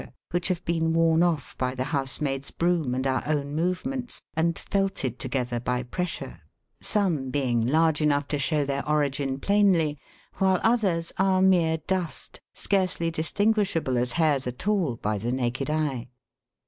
which have been worn off by the housemaid's" broom and our own movements, and felted together by pressure, some being large enough to show their origin plainly, while others are mere dust, scarcely distinguishable as hairs at all by the naked eye.